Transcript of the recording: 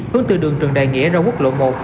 hướng từ đường trần đại nghĩa ra quốc lộ một